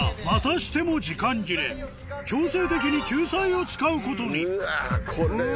またしても時間切れ強制的に救済を使うことにうわ！